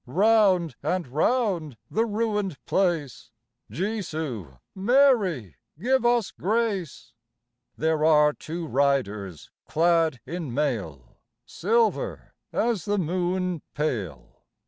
Round and round the ruined place, Jesu, Mary, give us grace 1 There are two riders clad in mail, Silver as the moon pale.